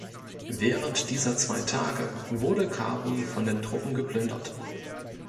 Während dieser zwei Tage wurde Kabul von den Truppen geplündert.